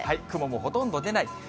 雲もほとんど出ない。